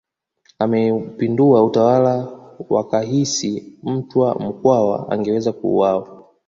Ameupindua utawala wakahisi Mtwa Mkwawa angeweza kuuawa